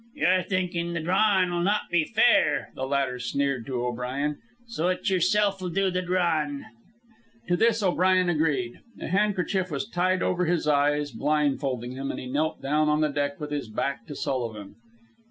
"You're thinkin' the drawin'll not be fair," the latter sneered to O'Brien. "So it's yerself'll do the drawin'." To this O'Brien agreed. A handkerchief was tied over his eyes, blindfolding him, and he knelt down on the deck with his back to Sullivan.